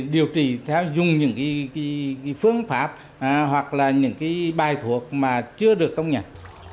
điều trị theo dùng những phương pháp hoặc là những bài thuốc mà chưa được công nhận